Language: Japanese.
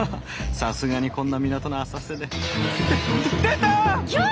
さすがにこんな港の浅瀬でって出たあ！